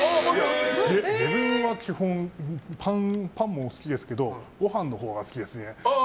自分は基本パンも好きですけどご飯のほうが好きですね。